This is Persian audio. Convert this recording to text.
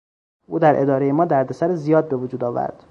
او در ادارهی ما دردسر زیاد به وجود آورد.